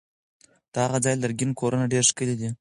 د هغه ځای لرګین کورونه ډېر ښکلي دي.